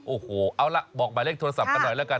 โอ้โหเอาล่ะบอกหมายเลขโทรศัพท์กันหน่อยแล้วกัน